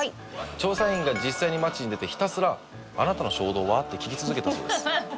調査員が実際に街に出てひたすら「あなたの衝動は？」って聞き続けたそうです。